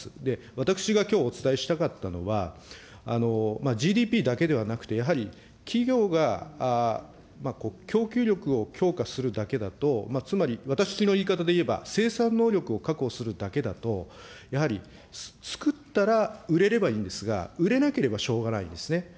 私がきょうお伝えしたかったのは、ＧＤＰだけではなくて、やはり企業が供給力を強化するだけだと、つまり私の言い方でいえば、生産能力を確保するだけだと、やはり作ったら売れればいいんですが、売れなければしょうがないんですね。